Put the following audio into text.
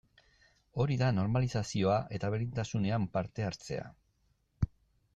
Hori da normalizazioa eta berdintasunean parte hartzea.